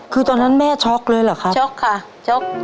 คือตอนนั้นแม่ช็อกเลยเหรอคะช็อกค่ะช็อก